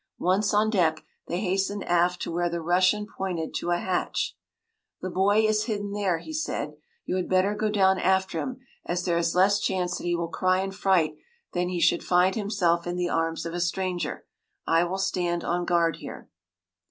Once on deck they hastened aft to where the Russian pointed to a hatch. “The boy is hidden there,” he said. “You had better go down after him, as there is less chance that he will cry in fright than should he find himself in the arms of a stranger. I will stand on guard here.